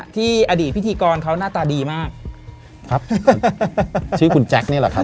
ที่อดีตพิธีกรเขาหน้าตาดีมากครับชื่อคุณแจ็คนี่แหละครับ